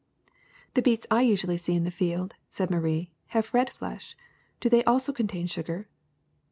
'' ^*The beets I usually see in the field,'' said Marie, have red flesh. Do they also contain sugar?"